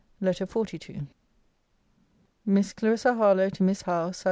LETTER XLII MISS CLARISSA HARLOWE, TO MISS HOWE SAT.